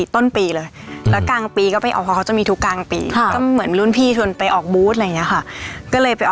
ตอนนั้นปีสองพันสิบห้าค่ะ